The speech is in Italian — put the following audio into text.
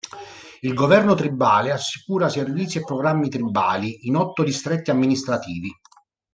Il governo tribale assicura servizi e programmi tribali in otto distretti amministrativi.